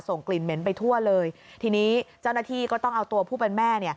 กลิ่นเหม็นไปทั่วเลยทีนี้เจ้าหน้าที่ก็ต้องเอาตัวผู้เป็นแม่